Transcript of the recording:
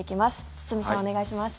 堤さん、お願いします。